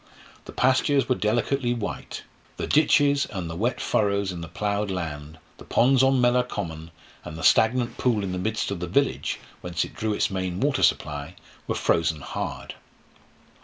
The pastures were delicately white; the ditches and the wet furrows in the ploughed land, the ponds on Mellor common, and the stagnant pool in the midst of the village, whence it drew its main water supply, were frozen hard.